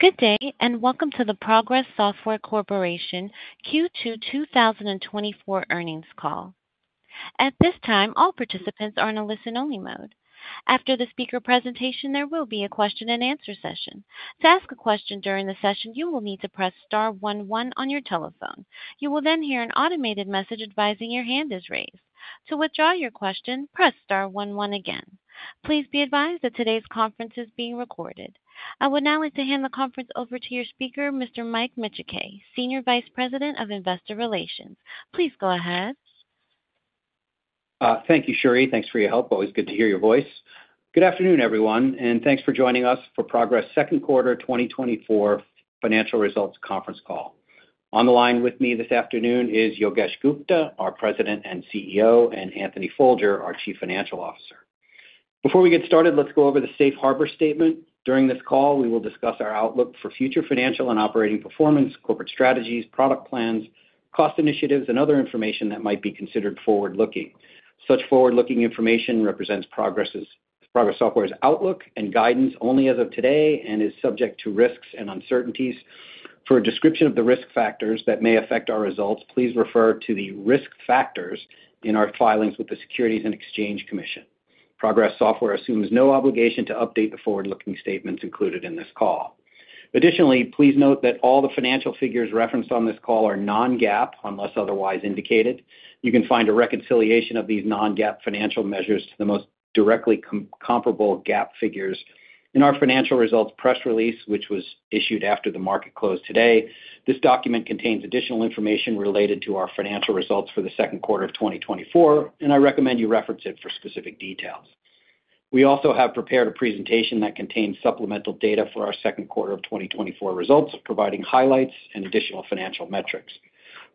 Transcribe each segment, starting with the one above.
Good day, and welcome to the Progress Software Corporation Q2 2024 earnings call. At this time, all participants are in a listen-only mode. After the speaker presentation, there will be a question-and-answer session. To ask a question during the session, you will need to press star one one on your telephone. You will then hear an automated message advising your hand is raised. To withdraw your question, press star one one again. Please be advised that today's conference is being recorded. I would now like to hand the conference over to your speaker, Mr. Mike Micciche, Senior Vice President of Investor Relations. Please go ahead. Thank you, Sherry. Thanks for your help. Always good to hear your voice. Good afternoon, everyone, and thanks for joining us for Progress's second quarter 2024 financial results conference call. On the line with me this afternoon is Yogesh Gupta, our President and CEO, and Anthony Folger, our Chief Financial Officer. Before we get started, let's go over the safe harbor statement. During this call, we will discuss our outlook for future financial and operating performance, corporate strategies, product plans, cost initiatives, and other information that might be considered forward-looking. Such forward-looking information represents Progress's, Progress Software's outlook and guidance only as of today and is subject to risks and uncertainties. For a description of the risk factors that may affect our results, please refer to the risk factors in our filings with the Securities and Exchange Commission. Progress Software assumes no obligation to update the forward-looking statements included in this call. Additionally, please note that all the financial figures referenced on this call are non-GAAP, unless otherwise indicated. You can find a reconciliation of these non-GAAP financial measures to the most directly comparable GAAP figures in our financial results press release, which was issued after the market closed today. This document contains additional information related to our financial results for the second quarter of 2024, and I recommend you reference it for specific details. We also have prepared a presentation that contains supplemental data for our second quarter of 2024 results, providing highlights and additional financial metrics.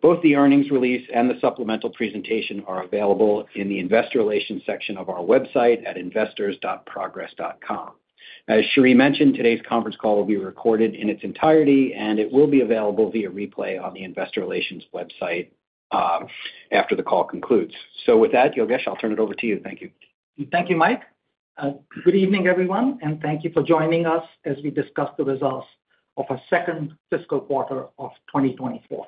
Both the earnings release and the supplemental presentation are available in the investor relations section of our website at investors.progress.com. As Sherry mentioned, today's conference call will be recorded in its entirety, and it will be available via replay on the investor relations website after the call concludes. So with that, Yogesh, I'll turn it over to you. Thank you. Thank you, Mike. Good evening, everyone, and thank you for joining us as we discuss the results of our second fiscal quarter of 2024.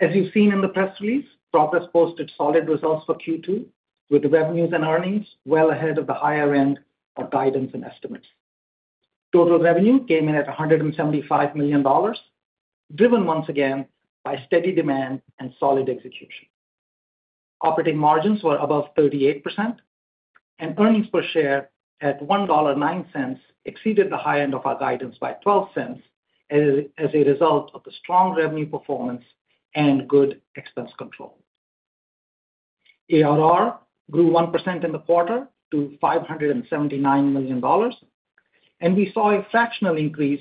As you've seen in the press release, Progress posted solid results for Q2, with the revenues and earnings well ahead of the higher end of guidance and estimates. Total revenue came in at $175 million, driven once again by steady demand and solid execution. Operating margins were above 38%, and earnings per share at $1.09 exceeded the high end of our guidance by $0.12, as a result of the strong revenue performance and good expense control. ARR grew 1% in the quarter to $579 million, and we saw a fractional increase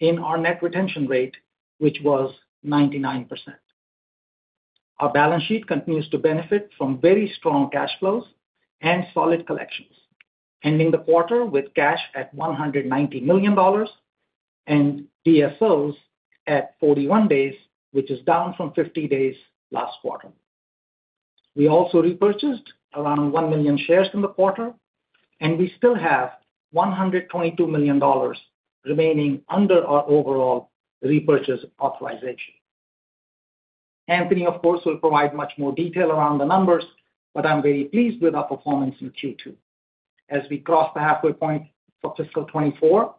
in our net retention rate, which was 99%. Our balance sheet continues to benefit from very strong cash flows and solid collections, ending the quarter with cash at $190 million and DSOs at 41 days, which is down from 50 days last quarter. We also repurchased around 1 million shares in the quarter, and we still have $122 million remaining under our overall repurchase authorization. Anthony, of course, will provide much more detail around the numbers, but I'm very pleased with our performance in Q2. As we cross the halfway point for fiscal 2024,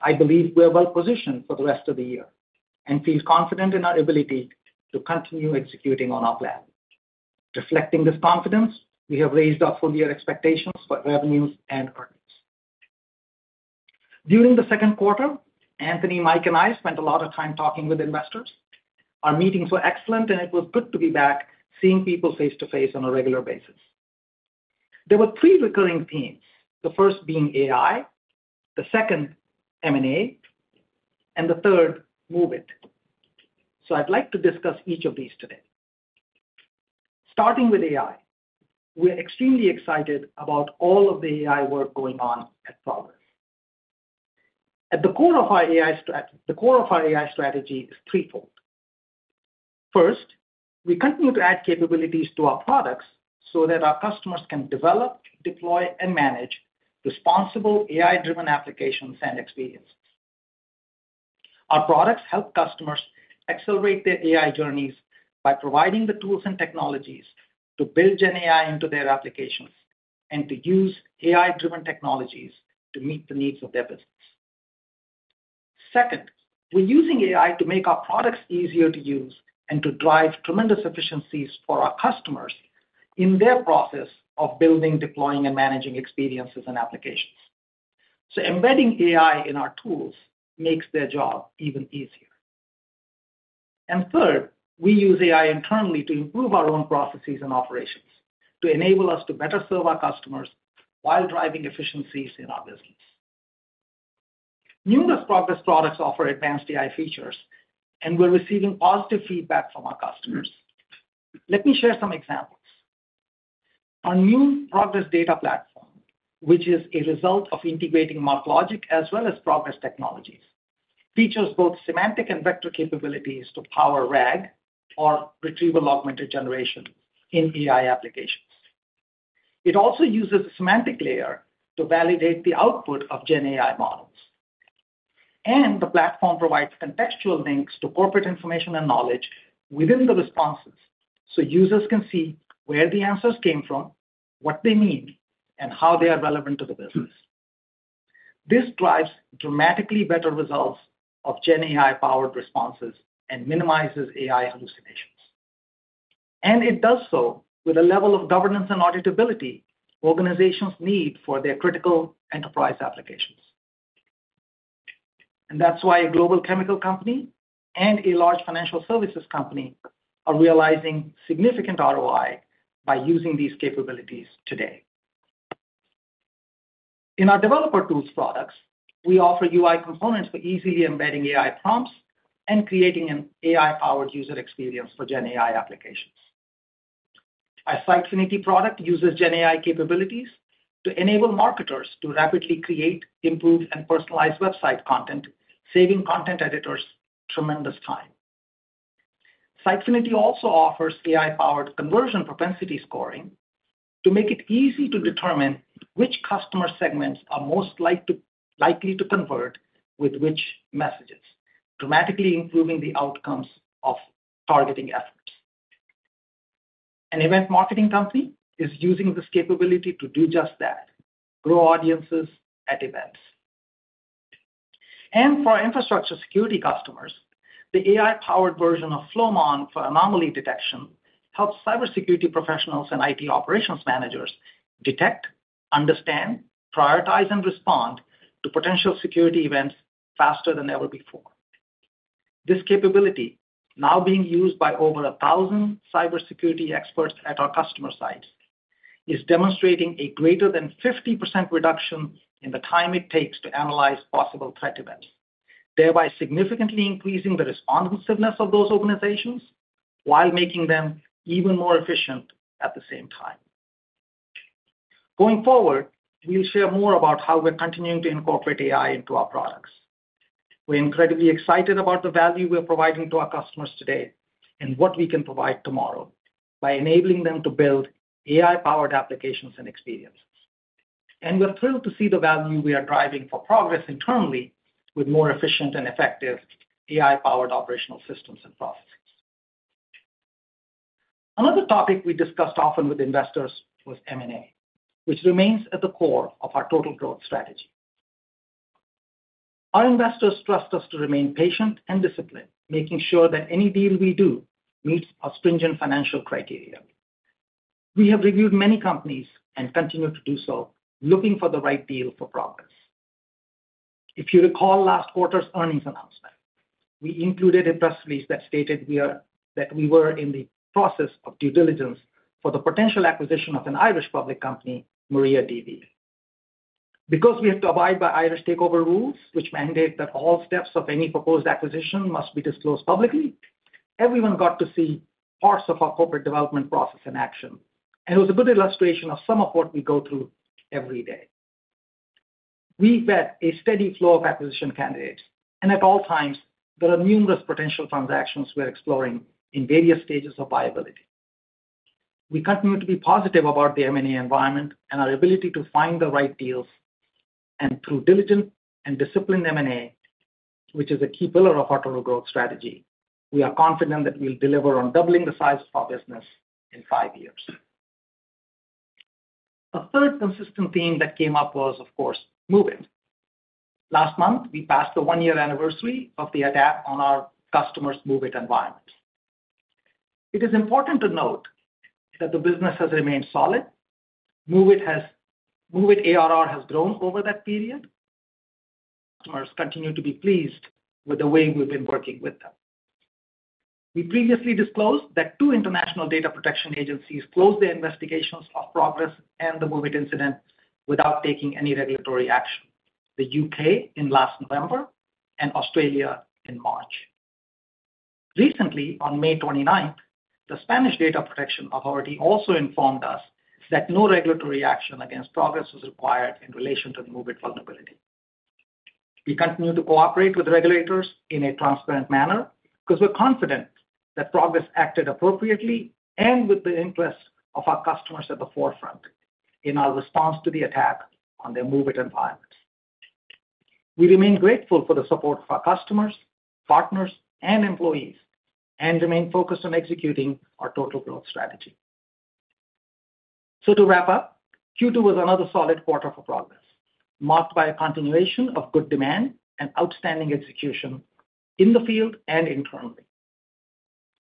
I believe we are well positioned for the rest of the year and feel confident in our ability to continue executing on our plan. Reflecting this confidence, we have raised our full year expectations for revenues and earnings. During the second quarter, Anthony, Mike, and I spent a lot of time talking with investors. Our meetings were excellent, and it was good to be back, seeing people face-to-face on a regular basis. There were three recurring themes, the first being AI, the second M&A, and the third, MOVEit. So I'd like to discuss each of these today. Starting with AI, we're extremely excited about all of the AI work going on at Progress. At the core of our AI strategy is threefold. First, we continue to add capabilities to our products so that our customers can develop, deploy, and manage responsible AI-driven applications and experiences. Our products help customers accelerate their AI journeys by providing the tools and technologies to build GenAI into their applications and to use AI-driven technologies to meet the needs of their business. Second, we're using AI to make our products easier to use and to drive tremendous efficiencies for our customers in their process of building, deploying, and managing experiences and applications. So embedding AI in our tools makes their job even easier. And third, we use AI internally to improve our own processes and operations, to enable us to better serve our customers while driving efficiencies in our business. Numerous Progress products offer advanced AI features, and we're receiving positive feedback from our customers. Let me share some examples. Our new Progress Data Platform, which is a result of integrating MarkLogic as well as Progress technologies, features both semantic and vector capabilities to power RAG or retrieval-augmented generation in AI applications. It also uses a semantic layer to validate the output of GenAI models. The platform provides contextual links to corporate information and knowledge within the responses, so users can see where the answers came from, what they mean, and how they are relevant to the business. This drives dramatically better results of GenAI-powered responses and minimizes AI hallucinations. It does so with a level of governance and auditability organizations need for their critical enterprise applications. That's why a global chemical company and a large financial services company are realizing significant ROI by using these capabilities today. In our developer tools products, we offer UI components for easily embedding AI prompts and creating an AI-powered user experience for GenAI applications. Our Sitefinity product uses GenAI capabilities to enable marketers to rapidly create, improve, and personalize website content, saving content editors tremendous time. Sitefinity also offers AI-powered conversion propensity scoring to make it easy to determine which customer segments are most likely to convert with which messages, dramatically improving the outcomes of targeting efforts. An event marketing company is using this capability to do just that, grow audiences at events. And for our infrastructure security customers, the AI-powered version of Flowmon for anomaly detection helps cybersecurity professionals and IT operations managers detect, understand, prioritize, and respond to potential security events faster than ever before. This capability, now being used by over 1,000 cybersecurity experts at our customer sites, is demonstrating a greater than 50% reduction in the time it takes to analyze possible threat events, thereby significantly increasing the responsiveness of those organizations, while making them even more efficient at the same time. Going forward, we'll share more about how we're continuing to incorporate AI into our products. We're incredibly excited about the value we're providing to our customers today and what we can provide tomorrow by enabling them to build AI-powered applications and experience. And we're thrilled to see the value we are driving for Progress internally with more efficient and effective AI-powered operational systems and processes. Another topic we discussed often with investors was M&A, which remains at the core of our total growth strategy. Our investors trust us to remain patient and disciplined, making sure that any deal we do meets our stringent financial criteria. We have reviewed many companies, and continue to do so, looking for the right deal for Progress. If you recall last quarter's earnings announcement, we included a press release that stated that we were in the process of due diligence for the potential acquisition of an Irish public company, MariaDB. Because we have to abide by Irish takeover rules, which mandate that all steps of any proposed acquisition must be disclosed publicly, everyone got to see parts of our corporate development process in action, and it was a good illustration of some of what we go through every day. We've got a steady flow of acquisition candidates, and at all times, there are numerous potential transactions we're exploring in various stages of viability. We continue to be positive about the M&A environment and our ability to find the right deals, and through diligent and disciplined M&A, which is a key pillar of our total growth strategy, we are confident that we'll deliver on doubling the size of our business in five years. A third consistent theme that came up was, of course, MOVEit. Last month, we passed the one-year anniversary of the attack on our customers' MOVEit environment. It is important to note that the business has remained solid. MOVEit ARR has grown over that period. Customers continue to be pleased with the way we've been working with them. We previously disclosed that two international data protection agencies closed their investigations of Progress and the MOVEit incident without taking any regulatory action, the U.K. in last November and Australia in March. Recently, on May 29th, the Spanish Data Protection Authority also informed us that no regulatory action against Progress was required in relation to the MOVEit vulnerability. We continue to cooperate with regulators in a transparent manner because we're confident that Progress acted appropriately and with the interests of our customers at the forefront in our response to the attack on their MOVEit environment. We remain grateful for the support of our customers, partners, and employees, and remain focused on executing our total growth strategy. So to wrap up, Q2 was another solid quarter for Progress, marked by a continuation of good demand and outstanding execution in the field and internally.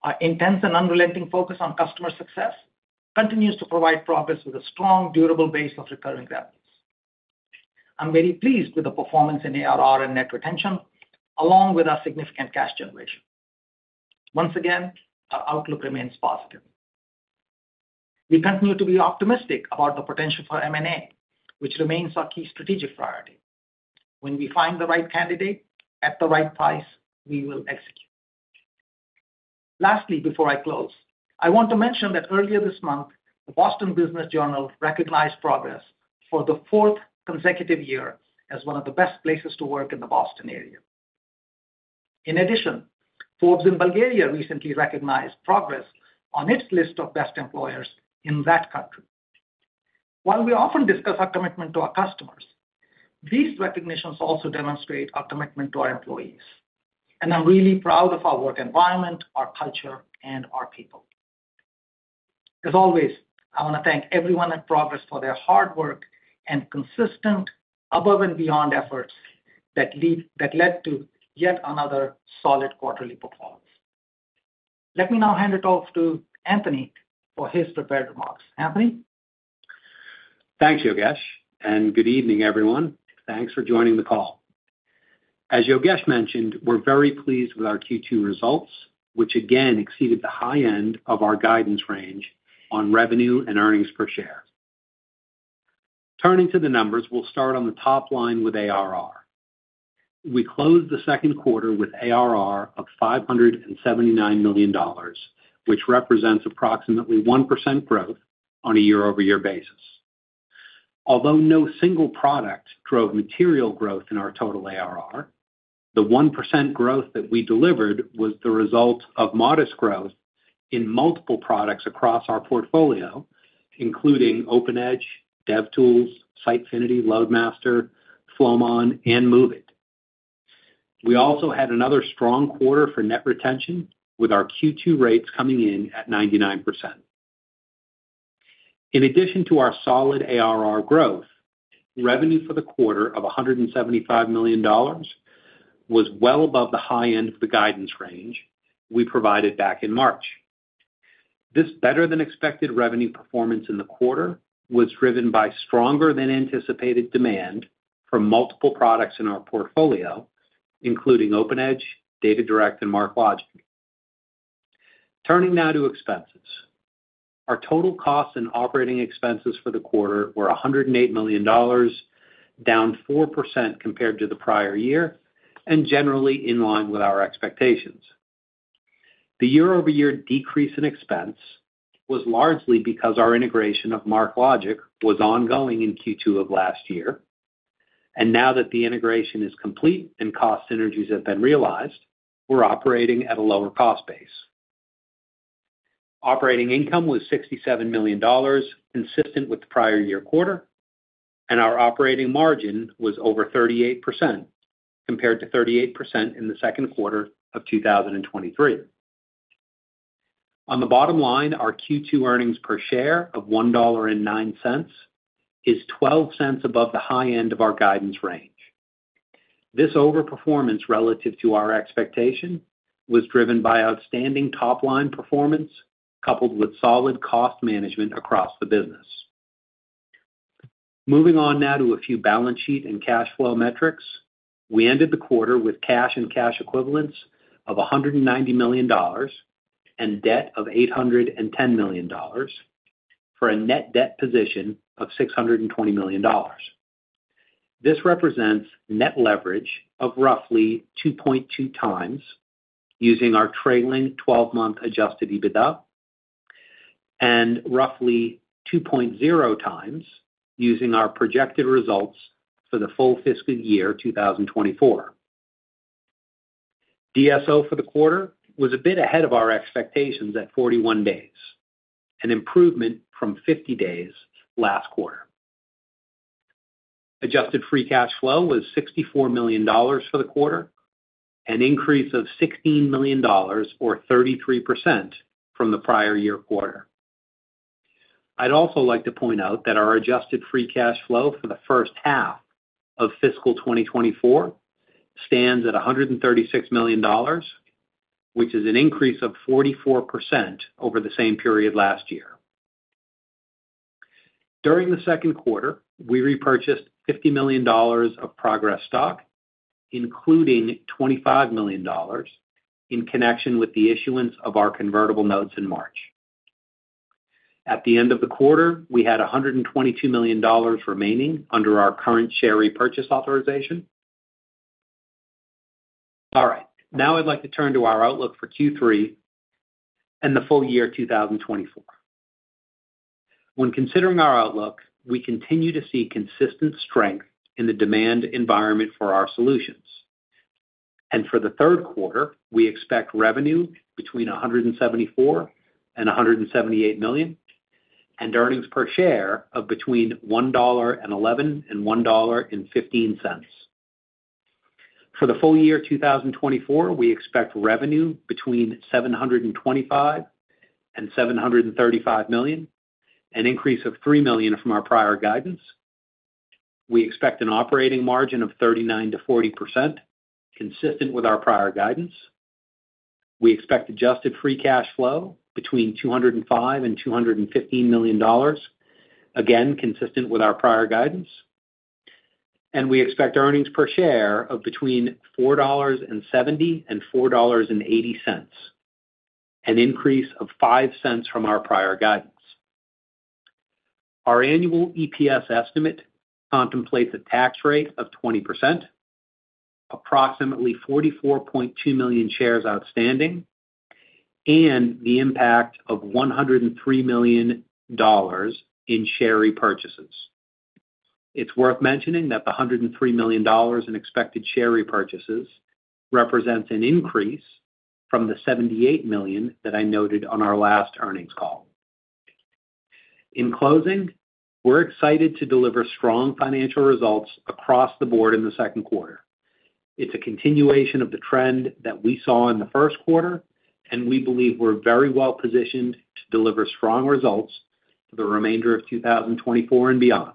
Our intense and unrelenting focus on customer success continues to provide Progress with a strong, durable base of recurring revenues. I'm very pleased with the performance in ARR and net retention, along with our significant cash generation. Once again, our outlook remains positive. We continue to be optimistic about the potential for M&A, which remains our key strategic priority. When we find the right candidate at the right price, we will execute. Lastly, before I close, I want to mention that earlier this month, the Boston Business Journal recognized Progress for the fourth consecutive year as one of the best places to work in the Boston area. In addition, Forbes in Bulgaria recently recognized Progress on its list of best employers in that country. While we often discuss our commitment to our customers, these recognitions also demonstrate our commitment to our employees, and I'm really proud of our work environment, our culture, and our people. As always, I want to thank everyone at Progress for their hard work and consistent above-and-beyond efforts that led to yet another solid quarterly performance. Let me now hand it off to Anthony for his prepared remarks. Anthony? Thanks, Yogesh, and good evening, everyone. Thanks for joining the call. As Yogesh mentioned, we're very pleased with our Q2 results, which again exceeded the high end of our guidance range on revenue and earnings per share. Turning to the numbers, we'll start on the top line with ARR. We closed the second quarter with ARR of $579 million, which represents approximately 1% growth on a year-over-year basis. Although no single product drove material growth in our total ARR, the 1% growth that we delivered was the result of modest growth in multiple products across our portfolio, including OpenEdge, DevTools, Sitefinity, LoadMaster, Flowmon, and MOVEit. We also had another strong quarter for net retention, with our Q2 rates coming in at 99%. In addition to our solid ARR growth, revenue for the quarter of $175 million was well above the high end of the guidance range we provided back in March. This better-than-expected revenue performance in the quarter was driven by stronger-than-anticipated demand from multiple products in our portfolio, including OpenEdge, DataDirect, and MarkLogic. Turning now to expenses. Our total costs and operating expenses for the quarter were $108 million, down 4% compared to the prior year, and generally in line with our expectations. The year-over-year decrease in expense was largely because our integration of MarkLogic was ongoing in Q2 of last year, and now that the integration is complete and cost synergies have been realized, we're operating at a lower cost base. Operating income was $67 million, consistent with the prior year quarter, and our operating margin was over 38%, compared to 38% in the second quarter of 2023. On the bottom line, our Q2 earnings per share of $1.09 is $0.12 above the high end of our guidance range. This overperformance relative to our expectation was driven by outstanding top-line performance, coupled with solid cost management across the business. Moving on now to a few balance sheet and cash flow metrics. We ended the quarter with cash and cash equivalents of $190 million and debt of $810 million, for a net debt position of $620 million. This represents net leverage of roughly 2.2x using our trailing 12-month adjusted EBITDA, and roughly 2.0x using our projected results for the full fiscal year 2024. DSO for the quarter was a bit ahead of our expectations at 41 days, an improvement from 50 days last quarter. Adjusted free cash flow was $64 million for the quarter, an increase of $16 million or 33% from the prior year quarter. I'd also like to point out that our adjusted free cash flow for the first half of fiscal 2024 stands at $136 million, which is an increase of 44% over the same period last year. During the second quarter, we repurchased $50 million of Progress stock, including $25 million in connection with the issuance of our convertible notes in March. At the end of the quarter, we had $122 million remaining under our current share repurchase authorization. All right, now I'd like to turn to our outlook for Q3 and the full year 2024. When considering our outlook, we continue to see consistent strength in the demand environment for our solutions. For the third quarter, we expect revenue between $174 million and $178 million, and earnings per share of between $1.11 and $1.15. For the full year 2024, we expect revenue between $725 million and $735 million, an increase of $3 million from our prior guidance. We expect an operating margin of 39%-40%, consistent with our prior guidance. We expect adjusted free cash flow between $205 million and $215 million, again, consistent with our prior guidance. We expect earnings per share of between $4.70 and $4.80, an increase of $0.05 from our prior guidance. Our annual EPS estimate contemplates a tax rate of 20%, approximately 44.2 million shares outstanding, and the impact of $103 million in share repurchases. It's worth mentioning that the $103 million in expected share repurchases represents an increase from the $78 million that I noted on our last earnings call. In closing, we're excited to deliver strong financial results across the board in the second quarter. It's a continuation of the trend that we saw in the first quarter, and we believe we're very well positioned to deliver strong results for the remainder of 2024 and beyond.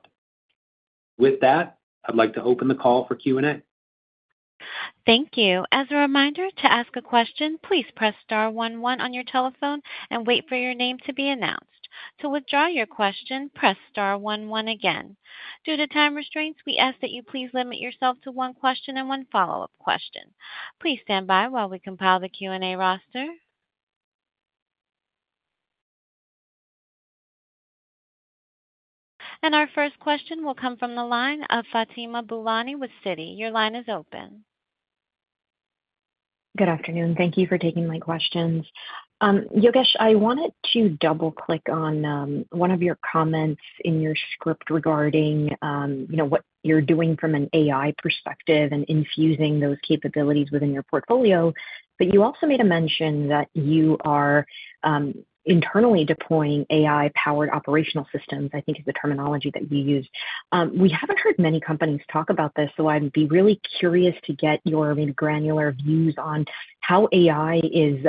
With that, I'd like to open the call for Q&A. Thank you. As a reminder, to ask a question, please press star one one on your telephone and wait for your name to be announced. To withdraw your question, press star one one again. Due to time restraints, we ask that you please limit yourself to one question and one follow-up question. Please stand by while we compile the Q&A roster. Our first question will come from the line of Fatima Boolani with Citi. Your line is open. Good afternoon. Thank you for taking my questions. Yogesh, I wanted to double-click on, one of your comments in your script regarding, you know, what you're doing from an AI perspective and infusing those capabilities within your portfolio. But you also made a mention that you are, internally deploying AI-powered operational systems, I think, is the terminology that you used. We haven't heard many companies talk about this, so I'd be really curious to get your maybe granular views on how AI is,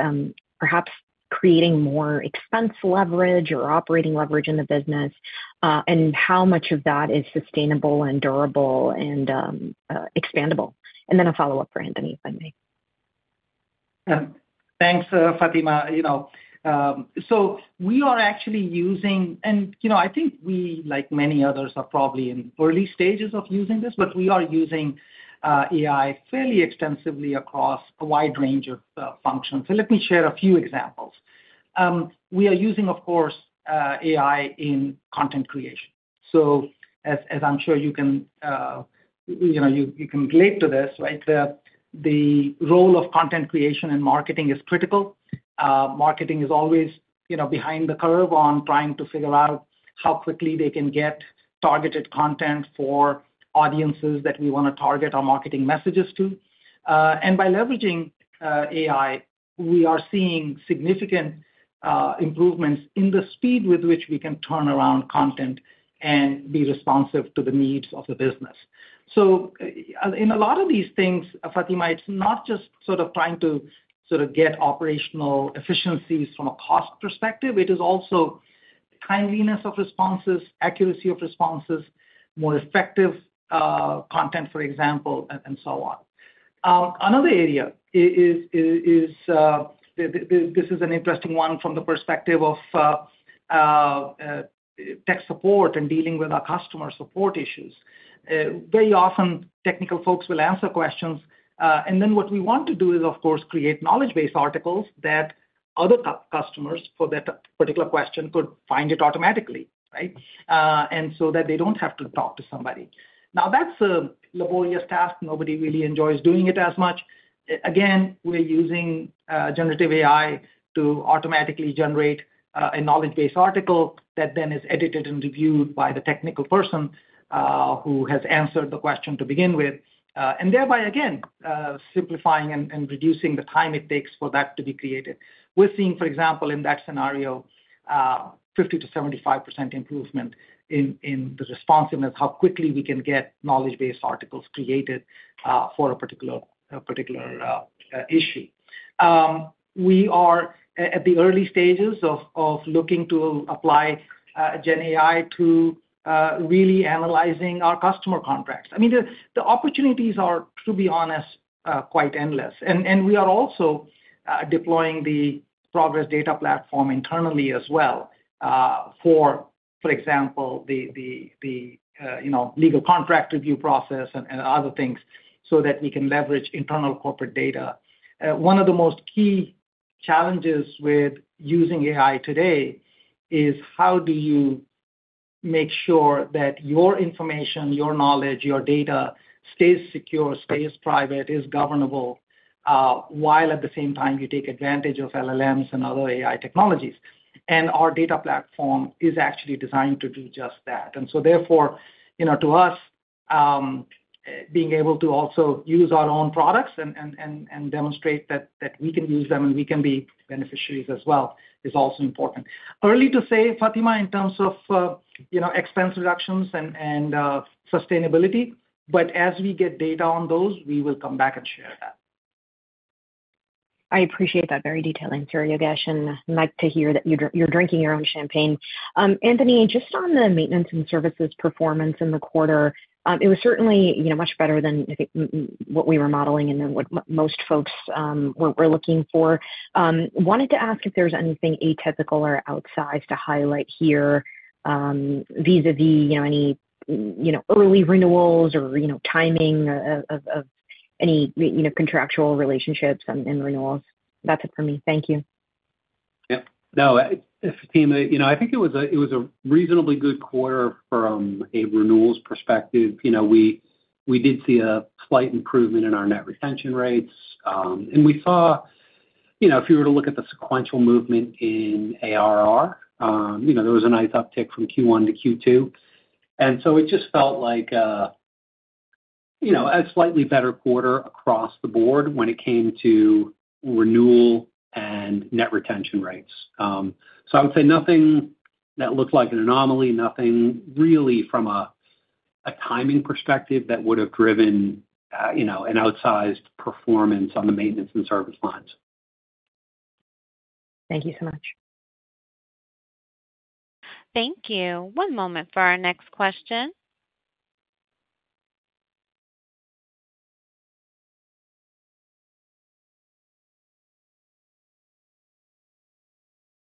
perhaps creating more expense leverage or operating leverage in the business, and how much of that is sustainable and durable and, expandable. And then a follow-up for Anthony, if I may. Yeah. Thanks, Fatima. You know, so we are actually using. And, you know, I think we, like many others, are probably in early stages of using this, but we are using AI fairly extensively across a wide range of functions. So let me share a few examples. We are using, of course, AI in content creation. So as I'm sure you can, you know, you can relate to this, right? The role of content creation and marketing is critical. Marketing is always, you know, behind the curve on trying to figure out how quickly they can get targeted content for audiences that we wanna target our marketing messages to. And by leveraging AI, we are seeing significant improvements in the speed with which we can turn around content and be responsive to the needs of the business. So, in a lot of these things, Fatima, it's not just sort of trying to sort of get operational efficiencies from a cost perspective, it is also timeliness of responses, accuracy of responses, more effective content, for example, and so on. Another area is this. This is an interesting one from the perspective of tech support and dealing with our customer support issues. Very often, technical folks will answer questions, and then what we want to do is, of course, create knowledge base articles that other customers, for that particular question, could find it automatically, right? And so that they don't have to talk to somebody. Now, that's a laborious task. Nobody really enjoys doing it as much. Again, we're using generative AI to automatically generate a knowledge base article that then is edited and reviewed by the technical person who has answered the question to begin with, and thereby again simplifying and reducing the time it takes for that to be created. We're seeing, for example, in that scenario, 50%-75% improvement in the responsiveness, how quickly we can get knowledge-based articles created for a particular issue. We are at the early stages of looking to apply GenAI to really analyzing our customer contracts. I mean, the opportunities are, to be honest, quite endless. We are also deploying the Progress Data Platform internally as well, for example, the you know, legal contract review process and other things, so that we can leverage internal corporate data. One of the most key challenges with using AI today is how do you make sure that your information, your knowledge, your data, stays secure, stays private, is governable, while at the same time you take advantage of LLMs and other AI technologies? Our data platform is actually designed to do just that. So therefore, you know, to us, being able to also use our own products and demonstrate that we can use them and we can be beneficiaries as well, is also important. Early to say, Fatima, in terms of, you know, expense reductions and sustainability, but as we get data on those, we will come back and share that. I appreciate that very detailed answer, Yogesh, and like to hear that you're drinking your own champagne. Anthony, just on the maintenance and services performance in the quarter, it was certainly, you know, much better than, I think, what we were modeling and than what most folks were looking for. Wanted to ask if there's anything atypical or outsized to highlight here, vis-a-vis, you know, any, you know, early renewals or, you know, timing of any, you know, contractual relationships and renewals? That's it for me. Thank you. Yep. No, Fatima, you know, I think it was a, it was a reasonably good quarter from a renewals perspective. You know, we, we did see a slight improvement in our net retention rates. And we saw, you know, if you were to look at the sequential movement in ARR, you know, there was a nice uptick from Q1 to Q2. And so it just felt like, you know, a slightly better quarter across the board when it came to renewal and net retention rates. So I would say nothing that looked like an anomaly, nothing really from a, a timing perspective that would have driven, you know, an outsized performance on the maintenance and service lines. Thank you so much. Thank you. One moment for our next question.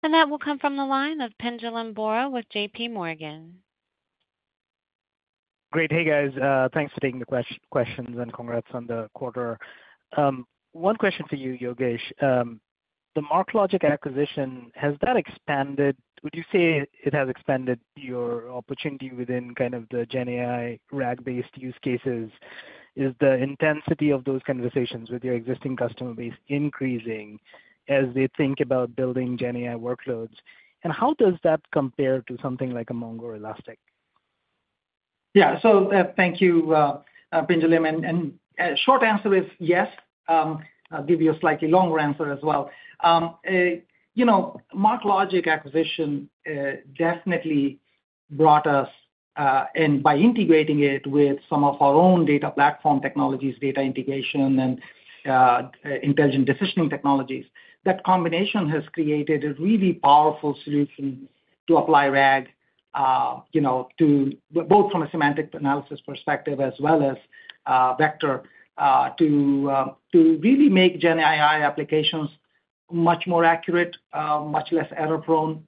That will come from the line of Pinjalim Bora with JPMorgan. Great. Hey, guys, thanks for taking the questions, and congrats on the quarter. One question for you, Yogesh. The MarkLogic acquisition, has that expanded... Would you say it has expanded your opportunity within kind of the GenAI RAG-based use cases? Is the intensity of those conversations with your existing customer base increasing as they think about building GenAI workloads? And how does that compare to something like a Mongo or Elastic? Yeah. So, thank you, Pinjalim. And, short answer is yes. I'll give you a slightly longer answer as well. You know, MarkLogic acquisition, definitely brought us, and by integrating it with some of our own data platform technologies, data integration, and, intelligent decisioning technologies, that combination has created a really powerful solution to apply RAG, you know, to both from a semantic analysis perspective as well as, vector, to, to really make GenAI applications much more accurate, much less error-prone,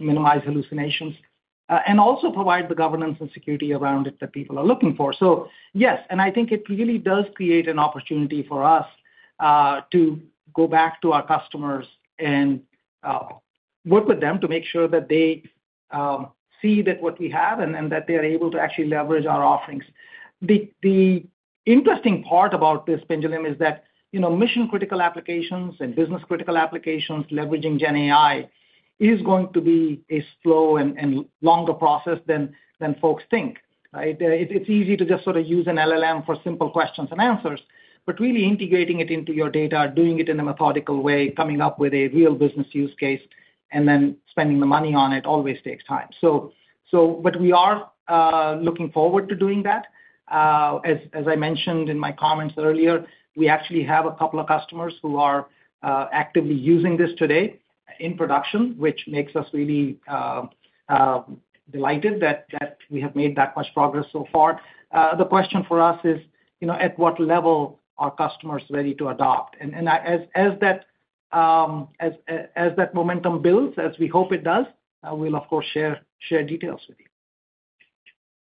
minimize hallucinations, and also provide the governance and security around it that people are looking for. So, yes, and I think it really does create an opportunity for us to go back to our customers and work with them to make sure that they see that what we have and that they are able to actually leverage our offerings. The interesting part about this Pinjalim is that, you know, mission-critical applications and business-critical applications leveraging GenAI is going to be a slow and longer process than folks think, right? It's easy to just sort of use an LLM for simple questions and answers, but really integrating it into your data, doing it in a methodical way, coming up with a real business use case, and then spending the money on it always takes time. So but we are looking forward to doing that. As I mentioned in my comments earlier, we actually have a couple of customers who are actively using this today in production, which makes us really delighted that we have made that much progress so far. The question for us is, you know, at what level are customers ready to adopt? As that momentum builds, as we hope it does, we'll of course share details with you.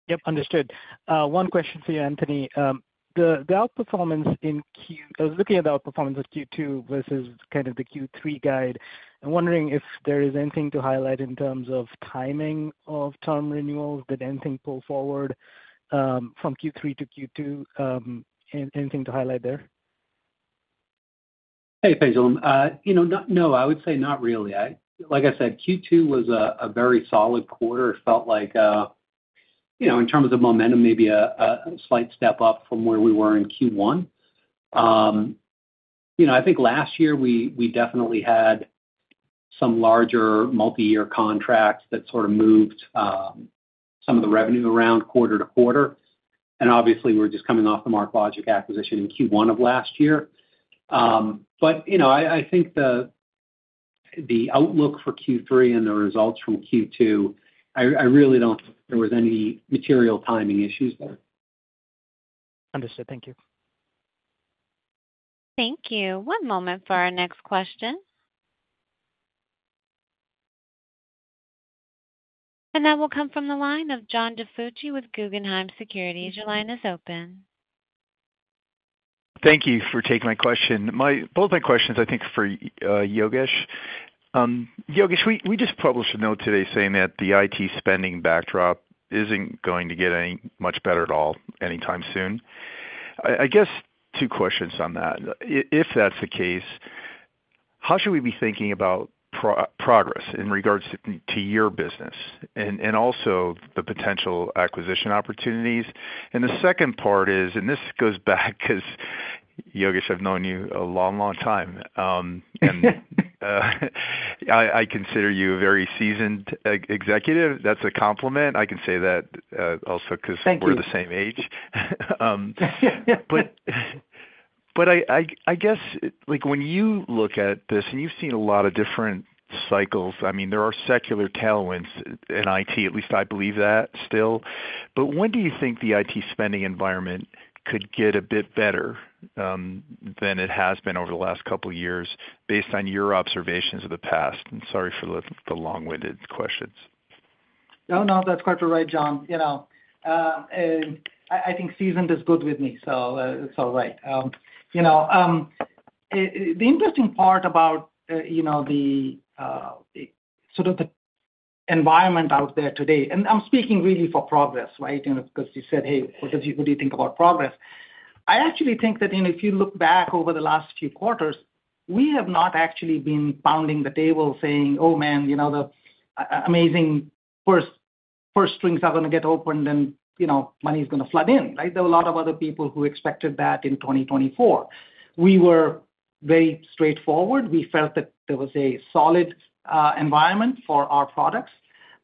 Yep, understood. One question for you, Anthony. The outperformance in Q2 versus kind of the Q3 guide, I'm wondering if there is anything to highlight in terms of timing of term renewals? Did anything pull forward from Q3 to Q2? Anything to highlight there? Hey, Pinjalim. You know, no, I would say not really. Like I said, Q2 was a very solid quarter. It felt like, you know, in terms of momentum, maybe a slight step up from where we were in Q1. You know, I think last year we definitely had some larger multiyear contracts that sort of moved some of the revenue around quarter to quarter. And obviously, we're just coming off the MarkLogic acquisition in Q1 of last year. But, you know, I think the outlook for Q3 and the results from Q2, I really don't think there was any material timing issues there. Understood. Thank you. Thank you. One moment for our next question. That will come from the line of John DiFucci with Guggenheim Securities. Your line is open. Thank you for taking my question. Both my questions, I think, for Yogesh. Yogesh, we just published a note today saying that the IT spending backdrop isn't going to get any much better at all anytime soon. I guess two questions on that. If that's the case, how should we be thinking about Progress in regards to your business and also the potential acquisition opportunities? And the second part is, and this goes back, 'cause Yogesh, I've known you a long, long time, and I consider you a very seasoned executive. That's a compliment. I can say that, also 'cause- Thank you we're the same age. But I guess, like, when you look at this, and you've seen a lot of different cycles, I mean, there are secular tailwinds in IT, at least I believe that still. But when do you think the IT spending environment could get a bit better than it has been over the last couple of years, based on your observations of the past? And sorry for the long-winded questions.... No, no, that's quite all right, John. You know, and I think seasoned is good with me, so right. You know, the interesting part about, you know, the sort of the environment out there today, and I'm speaking really for Progress, right? You know, because you said, "Hey, what do you, what do you think about Progress?" I actually think that, you know, if you look back over the last few quarters, we have not actually been pounding the table saying, "Oh, man, you know, the amazing first strings are gonna get opened, and, you know, money is gonna flood in." Right? There were a lot of other people who expected that in 2024. We were very straightforward. We felt that there was a solid environment for our products,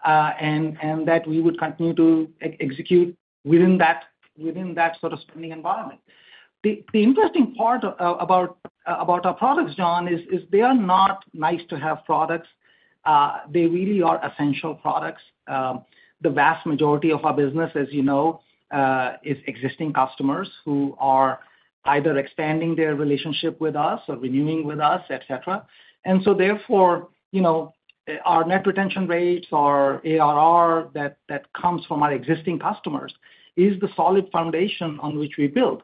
and that we would continue to execute within that, within that sort of spending environment. The interesting part about our products, John, is they are not nice to have products. They really are essential products. The vast majority of our business, as you know, is existing customers who are either expanding their relationship with us or renewing with us, et cetera. And so therefore, you know, our net retention rates, our ARR, that comes from our existing customers, is the solid foundation on which we build.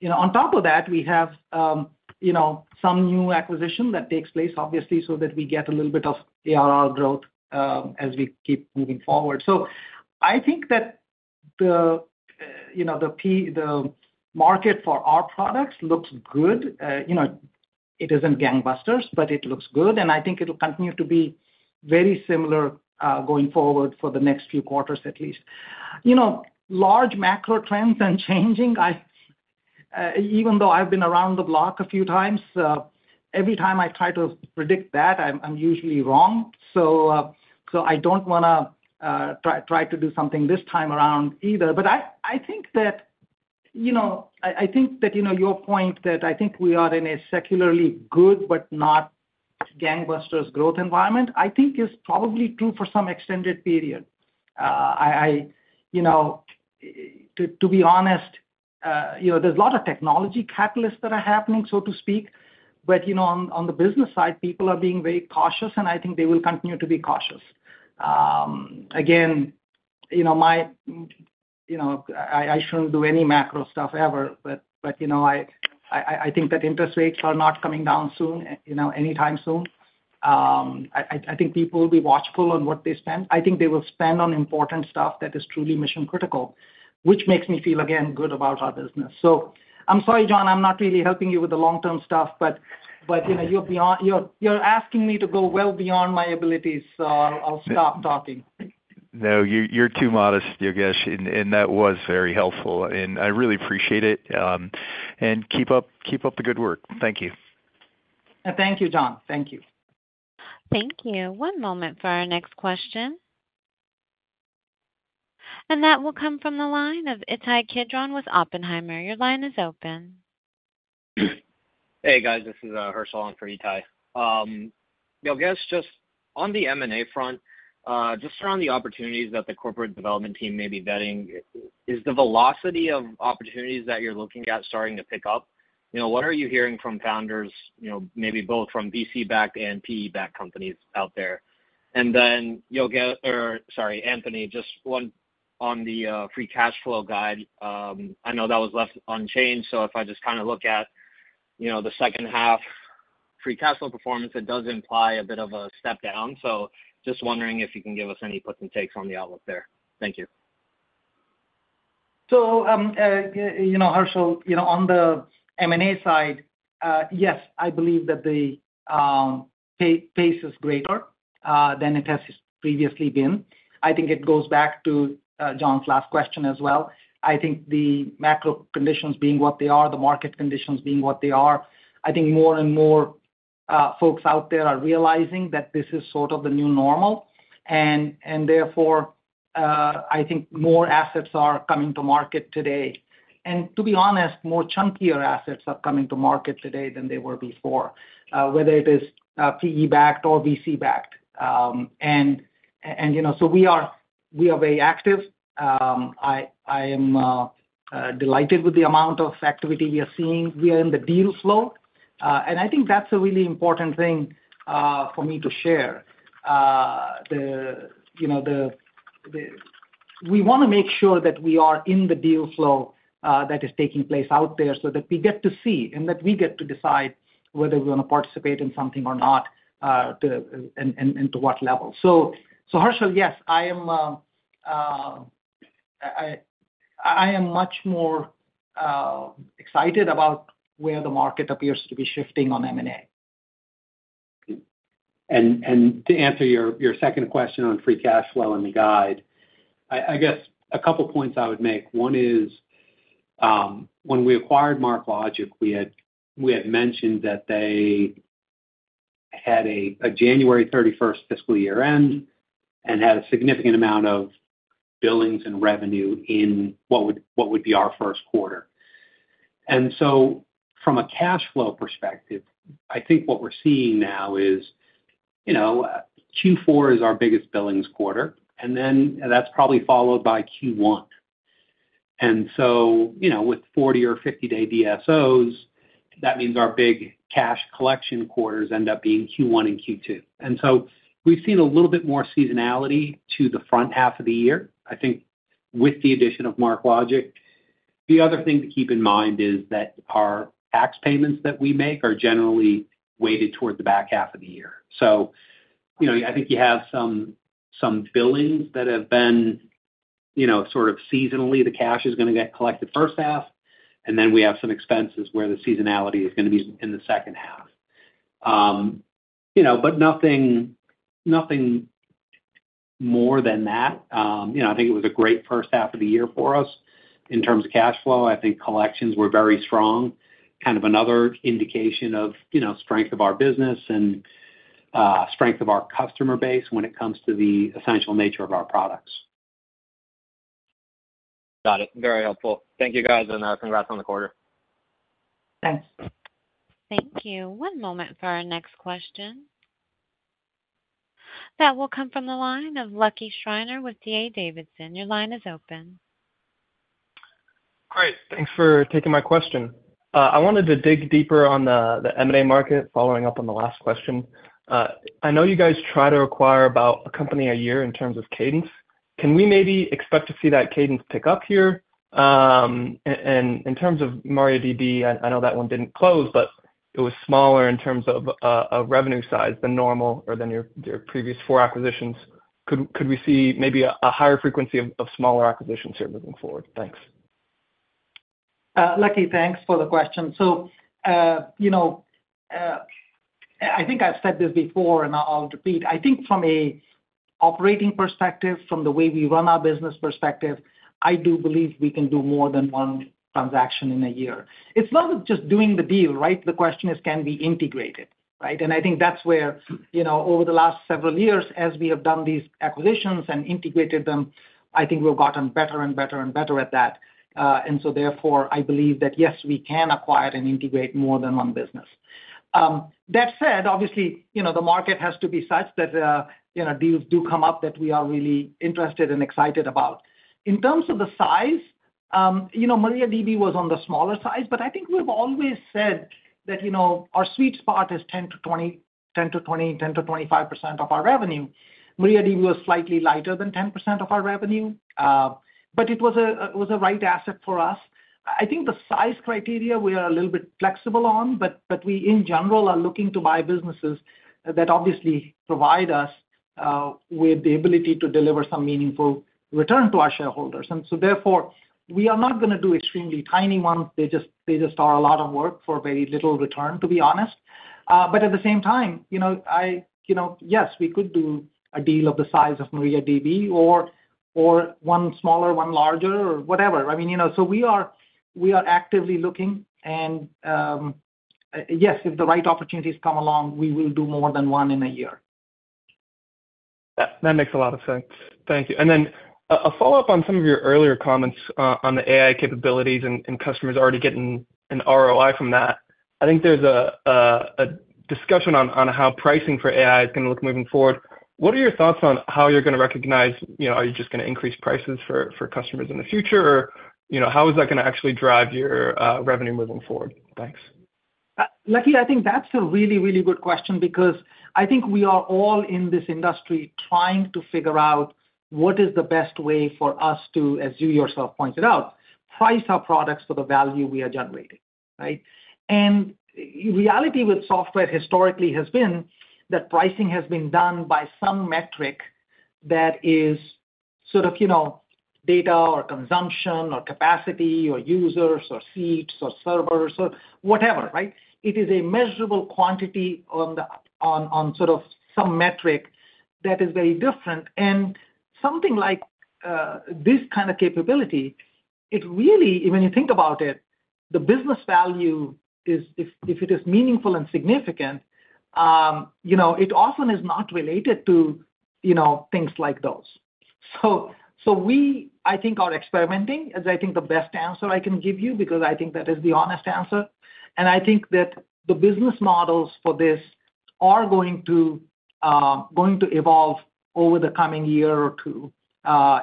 You know, on top of that, we have some new acquisition that takes place, obviously, so that we get a little bit of ARR growth, as we keep moving forward. So I think that the market for our products looks good. You know, it isn't gangbusters, but it looks good, and I think it'll continue to be very similar going forward for the next few quarters, at least. You know, large macro trends are changing. Even though I've been around the block a few times, every time I try to predict that, I'm usually wrong. So I don't wanna try to do something this time around either. But I think that, you know, I think that, you know, your point that I think we are in a secularly good but not gangbusters growth environment, I think is probably true for some extended period. You know, to be honest, you know, there's a lot of technology catalysts that are happening, so to speak, but, you know, on the business side, people are being very cautious, and I think they will continue to be cautious. Again, you know, I shouldn't do any macro stuff ever, but, you know, I think that interest rates are not coming down soon, you know, anytime soon. I think people will be watchful on what they spend. I think they will spend on important stuff that is truly mission-critical, which makes me feel again, good about our business. So I'm sorry, John, I'm not really helping you with the long-term stuff, but, you know, you're beyond... You're asking me to go well beyond my abilities, so I'll stop talking. No, you, you're too modest, Yogesh, and that was very helpful, and I really appreciate it. And keep up the good work. Thank you. Thank you, John. Thank you. Thank you. One moment for our next question. That will come from the line of Itai Kidron with Oppenheimer. Your line is open. Hey, guys, this is Harshil in for Itai. Yogesh, just on the M&A front, just around the opportunities that the corporate development team may be vetting, is the velocity of opportunities that you're looking at starting to pick up? You know, what are you hearing from founders, you know, maybe both from VC-backed and PE-backed companies out there? And then, Yogesh, or sorry, Anthony, just one on the free cash flow guide. I know that was left unchanged, so if I just kinda look at, you know, the second half free cash flow performance, it does imply a bit of a step down. So just wondering if you can give us any puts and takes on the outlook there. Thank you. So, you know, Harshil, you know, on the M&A side, yes, I believe that the pace is greater than it has previously been. I think it goes back to John's last question as well. I think the macro conditions being what they are, the market conditions being what they are, I think more and more folks out there are realizing that this is sort of the new normal. And therefore, I think more assets are coming to market today. And to be honest, more chunkier assets are coming to market today than they were before, whether it is PE-backed or VC-backed. And, you know, so we are very active. I am delighted with the amount of activity we are seeing here in the deal flow, and I think that's a really important thing for me to share. You know, we wanna make sure that we are in the deal flow that is taking place out there so that we get to see, and that we get to decide whether we're gonna participate in something or not, to, and, and, and to what level. So, Herschel, yes, I am much more excited about where the market appears to be shifting on M&A. To answer your second question on free cash flow and the guide, I guess a couple points I would make. One is, when we acquired MarkLogic, we had mentioned that they had a January 31st fiscal year-end, and had a significant amount of billings and revenue in what would be our first quarter. And so from a cash flow perspective, I think what we're seeing now is, you know, Q4 is our biggest billings quarter, and then that's probably followed by Q1.... And so, you know, with 40-day or 50-day DSOs, that means our big cash collection quarters end up being Q1 and Q2. And so we've seen a little bit more seasonality to the front half of the year, I think, with the addition of MarkLogic. The other thing to keep in mind is that our tax payments that we make are generally weighted towards the back half of the year. So, you know, I think you have some billings that have been, you know, sort of seasonally, the cash is gonna get collected first half, and then we have some expenses where the seasonality is gonna be in the second half. You know, but nothing more than that. You know, I think it was a great first half of the year for us in terms of cash flow. I think collections were very strong, kind of another indication of, you know, strength of our business and strength of our customer base when it comes to the essential nature of our products. Got it. Very helpful. Thank you, guys, and congrats on the quarter. Thanks. Thank you. One moment for our next question. That will come from the line of Lucky Schreiner with D.A. Davidson. Your line is open. Great. Thanks for taking my question. I wanted to dig deeper on the M&A market, following up on the last question. I know you guys try to acquire about a company a year in terms of cadence. Can we maybe expect to see that cadence pick up here? And in terms of MariaDB, I know that one didn't close, but it was smaller in terms of revenue size than normal or than your previous four acquisitions. Could we see maybe a higher frequency of smaller acquisitions here moving forward? Thanks. Lucky, thanks for the question. So, you know, I think I've said this before, and I'll repeat. I think from a operating perspective, from the way we run our business perspective, I do believe we can do more than one transaction in a year. It's not just doing the deal, right? The question is, can we integrate it, right? And I think that's where, you know, over the last several years, as we have done these acquisitions and integrated them, I think we've gotten better and better and better at that. And so therefore, I believe that, yes, we can acquire and integrate more than one business. That said, obviously, you know, the market has to be such that, you know, deals do come up that we are really interested and excited about. In terms of the size, you know, MariaDB was on the smaller size, but I think we've always said that, you know, our sweet spot is 10-20, 10-20, 10%-25% of our revenue. MariaDB was slightly lighter than 10% of our revenue, but it was a, it was a right asset for us. I think the size criteria, we are a little bit flexible on, but, but we, in general, are looking to buy businesses that obviously provide us with the ability to deliver some meaningful return to our shareholders. And so therefore, we are not gonna do extremely tiny ones. They just, they just are a lot of work for very little return, to be honest. But at the same time, you know, I... You know, yes, we could do a deal of the size of MariaDB or one smaller, one larger, or whatever. I mean, you know, so we are actively looking, and yes, if the right opportunities come along, we will do more than one in a year. That makes a lot of sense. Thank you. And then, a follow-up on some of your earlier comments, on the AI capabilities and customers already getting an ROI from that. I think there's a discussion on how pricing for AI is gonna look moving forward. What are your thoughts on how you're gonna recognize, you know, are you just gonna increase prices for customers in the future? Or, you know, how is that gonna actually drive your revenue moving forward? Thanks. Lucky, I think that's a really, really good question because I think we are all in this industry trying to figure out what is the best way for us to, as you yourself pointed out, price our products for the value we are generating, right? And reality with software historically has been that pricing has been done by some metric that is sort of, you know, data or consumption or capacity or users or seats or servers or whatever, right? It is a measurable quantity on some metric that is very different. And something like this kind of capability, it really, when you think about it, the business value is... If it is meaningful and significant, you know, it often is not related to, you know, things like those. So we, I think, are experimenting, is I think the best answer I can give you, because I think that is the honest answer. And I think that the business models for this are going to evolve over the coming year or two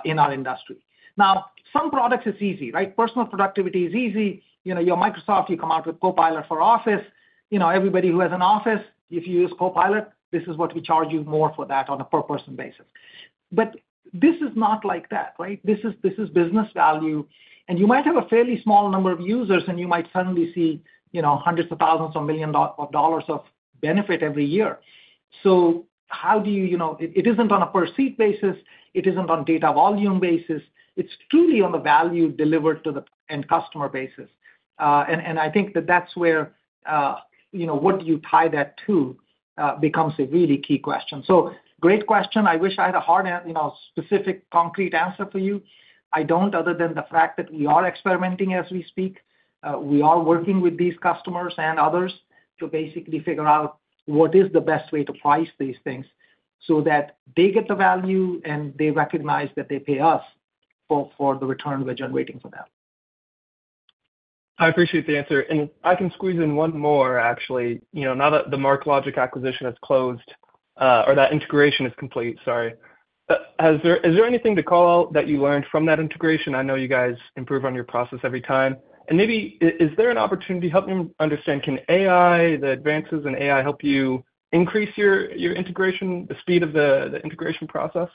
in our industry. Now, some products it's easy, right? Personal productivity is easy. You know, you're Microsoft, you come out with Copilot for Office. You know, everybody who has an Office, if you use Copilot, this is what we charge you more for that on a per person basis. But this is not like that, right? This is business value, and you might have a fairly small number of users, and you might suddenly see, you know, hundreds of thousands or million dollars of benefit every year. So how do you... You know, it isn't on a per seat basis, it isn't on data volume basis, it's truly on the value delivered to the end customer basis. And I think that that's where, you know, what do you tie that to becomes a really key question. So great question. I wish I had a hard you know, specific, concrete answer for you. I don't, other than the fact that we are experimenting as we speak. We are working with these customers and others to basically figure out what is the best way to price these things, so that they get the value, and they recognize that they pay us for the return we're generating for them.... I appreciate the answer, and I can squeeze in one more, actually. You know, now that the MarkLogic acquisition has closed, or that integration is complete, sorry. Is there anything to call out that you learned from that integration? I know you guys improve on your process every time. And maybe, is there an opportunity, help me understand, can AI, the advances in AI, help you increase your, your integration, the speed of the, the integration process?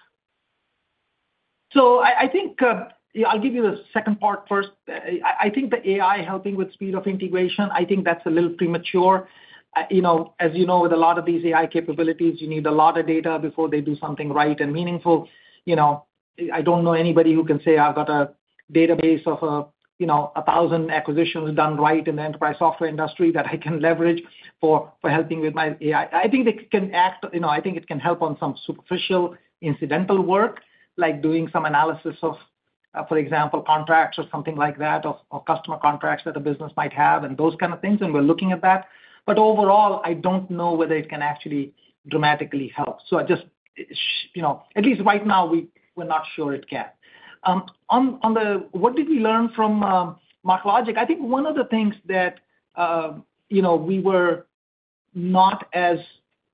So I think, yeah, I'll give you the second part first. I think the AI helping with speed of integration, I think that's a little premature. You know, as you know, with a lot of these AI capabilities, you need a lot of data before they do something right and meaningful. You know, I don't know anybody who can say: I've got a database of, you know, a thousand acquisitions done right in the enterprise software industry that I can leverage for helping with my AI. I think they can act, you know, I think it can help on some superficial, incidental work, like doing some analysis of, for example, contracts or something like that, or customer contracts that a business might have and those kind of things, and we're looking at that. But overall, I don't know whether it can actually dramatically help. So I just, you know, at least right now, we, we're not sure it can. On the, what did we learn from MarkLogic? I think one of the things that, you know, we were not as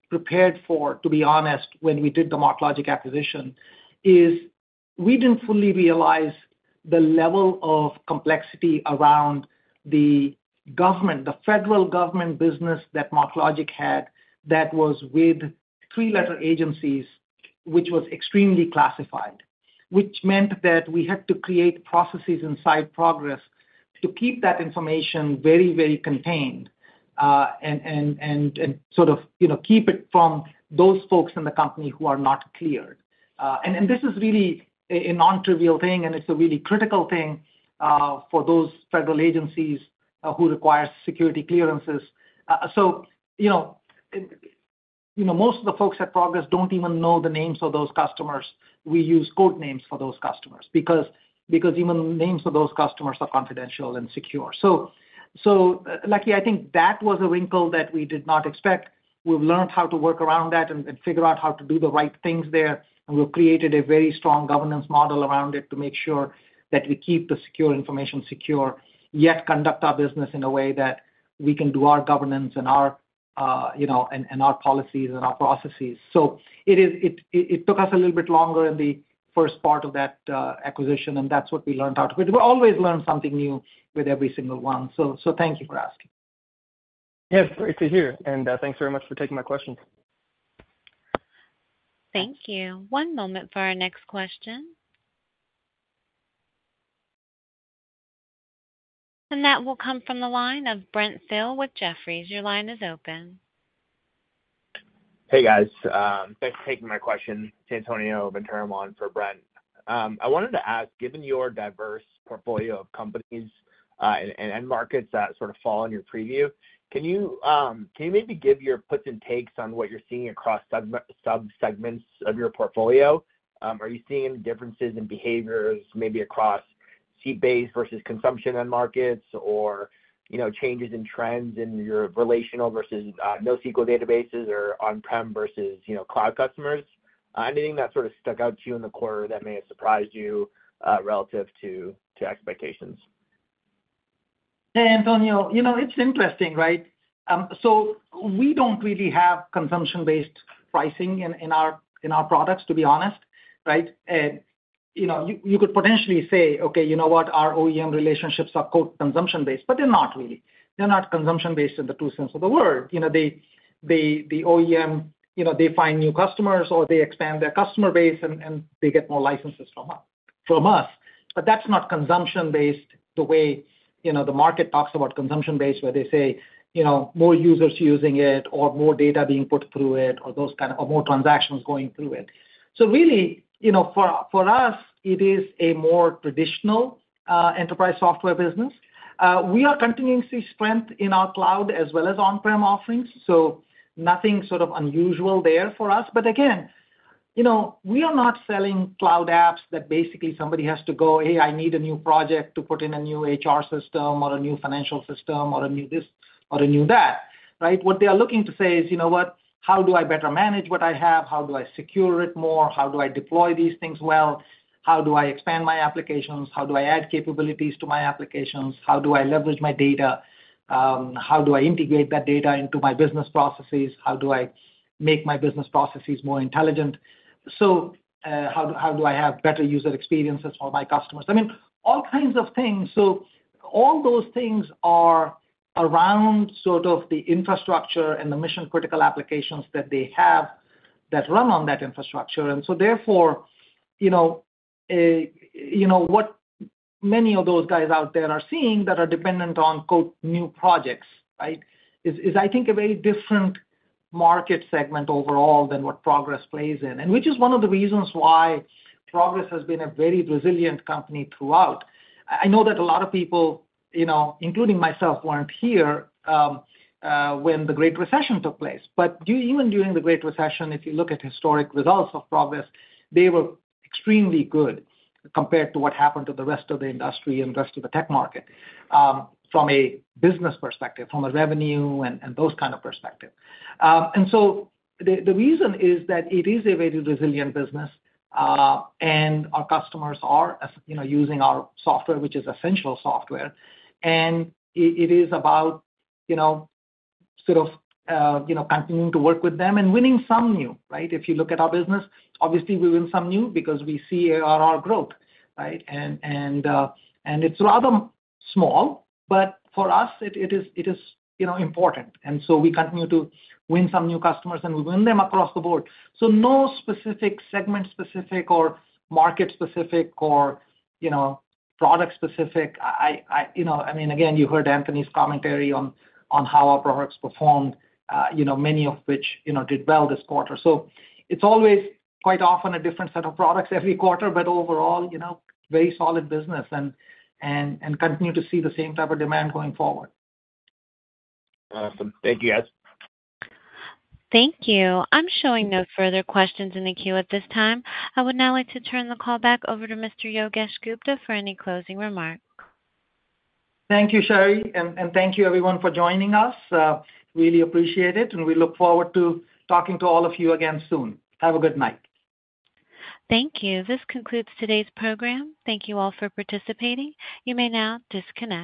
prepared for, to be honest, when we did the MarkLogic acquisition, is we didn't fully realize the level of complexity around the government, the federal government business that MarkLogic had, that was with three-letter agencies, which was extremely classified. Which meant that we had to create processes inside Progress to keep that information very, very contained, and sort of, you know, keep it from those folks in the company who are not cleared. And this is really a nontrivial thing, and it's a really critical thing for those federal agencies who require security clearances. So you know, most of the folks at Progress don't even know the names of those customers. We use code names for those customers because even the names of those customers are confidential and secure. So luckily, I think that was a wrinkle that we did not expect. We've learned how to work around that and figure out how to do the right things there. And we've created a very strong governance model around it to make sure that we keep the secure information secure, yet conduct our business in a way that we can do our governance and our, you know, our policies and our processes. So it took us a little bit longer in the first part of that acquisition, and that's what we learned how to... We always learn something new with every single one. So thank you for asking. Yes, great to hear, and, thanks very much for taking my questions. Thank you. One moment for our next question. That will come from the line of Brent Thill with Jefferies. Your line is open. Hey, guys. Thanks for taking my question. It's Antonio Venturim for Brent. I wanted to ask, given your diverse portfolio of companies, and markets that sort of fall in your preview, can you, can you maybe give your puts and takes on what you're seeing across subsegments of your portfolio? Are you seeing differences in behaviors, maybe across seat-based versus consumption end markets or, you know, changes in trends in your relational versus NoSQL databases or on-prem versus, you know, cloud customers? Anything that sort of stuck out to you in the quarter that may have surprised you, relative to expectations? Hey, Antonio. You know, it's interesting, right? So we don't really have consumption-based pricing in our products, to be honest, right? You know, you could potentially say, "Okay, you know what? Our OEM relationships are quote consumption-based," but they're not really. They're not consumption-based in the true sense of the word. You know, the OEM, you know, they find new customers or they expand their customer base, and they get more licenses from us. But that's not consumption-based the way the market talks about consumption-based, where they say, you know, more users using it or more data being put through it, or those kind of... Or more transactions going through it. So really, you know, for us, it is a more traditional enterprise software business. We are continuing to see strength in our cloud as well as on-prem offerings, so nothing sort of unusual there for us. But again, you know, we are not selling cloud apps that basically somebody has to go, "Hey, I need a new project to put in a new HR system or a new financial system or a new this or a new that," right? What they are looking to say is, "You know what? How do I better manage what I have? How do I secure it more? How do I deploy these things well? How do I expand my applications? How do I add capabilities to my applications? How do I leverage my data? How do I integrate that data into my business processes? How do I make my business processes more intelligent? So, how do I have better user experiences for my customers?" I mean, all kinds of things. So all those things are around sort of the infrastructure and the mission-critical applications that they have that run on that infrastructure. And so therefore, you know, what many of those guys out there are seeing that are dependent on "new projects", right, is I think a very different market segment overall than what Progress plays in. And which is one of the reasons why Progress has been a very resilient company throughout. I know that a lot of people, you know, including myself, weren't here when the Great Recession took place. But even during the Great Recession, if you look at historic results of Progress, they were extremely good compared to what happened to the rest of the industry and the rest of the tech market, from a business perspective, from a revenue and those kind of perspective. And so the reason is that it is a very resilient business, and our customers are, as you know, using our software, which is essential software. And it is about, you know, sort of, you know, continuing to work with them and winning some new, right? If you look at our business, obviously we win some new because we see our growth, right? And it's rather small, but for us, it is, you know, important. And so we continue to win some new customers, and we win them across the board. So no specific segment-specific or market-specific or, you know, product-specific. I, you know... I mean, again, you heard Anthony's commentary on how our products performed, you know, many of which, you know, did well this quarter. So it's always quite often a different set of products every quarter, but overall, you know, very solid business and continue to see the same type of demand going forward. Thank you, guys. Thank you. I'm showing no further questions in the queue at this time. I would now like to turn the call back over to Mr. Yogesh Gupta for any closing remarks. Thank you, Cherie, and, and thank you everyone for joining us. Really appreciate it, and we look forward to talking to all of you again soon. Have a good night. Thank you. This concludes today's program. Thank you all for participating. You may now disconnect.